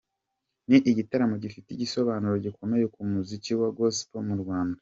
Ni igitaramo gifite igisobanuro gikomeye ku muziki wa gospel mu Rwanda.